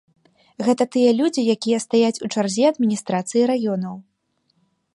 Гэта тыя людзі, якія стаяць у чарзе адміністрацыі раёнаў.